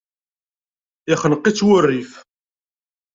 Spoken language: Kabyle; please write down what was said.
Yexneq-itt wurrif.